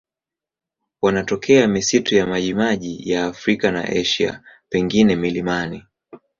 Wanatokea misitu ya majimaji ya Afrika na Asia, pengine milimani.